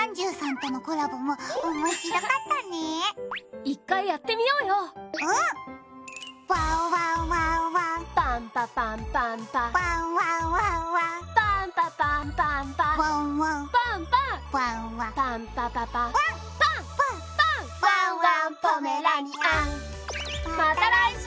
また来週！